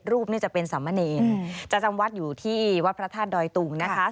รูปนี่จะเป็นสามเณรจะจำวัดอยู่ที่วัดพระธาตุดอยตุงนะคะ